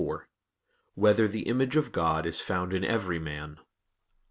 4] Whether the Image of God Is Found in Every Man?